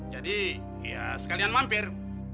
jadi ya sekalian mampir